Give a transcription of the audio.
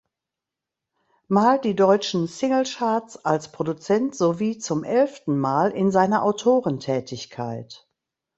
Mal die deutschen Singlecharts als Produzent sowie zum elften mal in seiner Autorentätigkeit.